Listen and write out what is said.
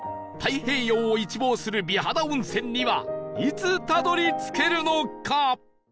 太平洋を一望する美肌温泉にはいつたどり着けるのか？